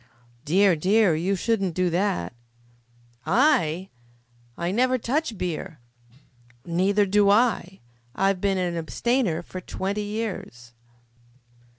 "Dear, dear, you shouldn't do that." "I! I never touch beer." "Neither do I. I've been an abstainer for twenty years."